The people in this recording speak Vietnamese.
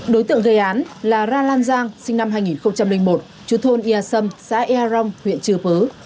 đối tượng gây án là ra lan giang sinh năm hai nghìn một chú thôn ia sâm xã ea rong huyện chư pứ